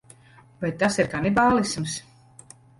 Vai tas ir kanibālisms?